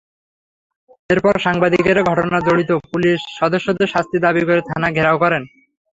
এরপর সাংবাদিকেরা ঘটনায় জড়িত পুলিশ সদস্যদের শাস্তি দাবি করে থানা ঘেরাও করেন।